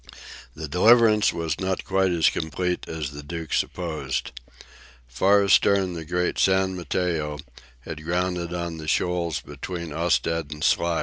The deliverance was not quite as complete as the Duke supposed. Far astern the great "San Mateo" had grounded on the shoals "between Ostend and Sluys."